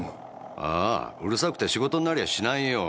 ああうるさくて仕事になりゃしないよ。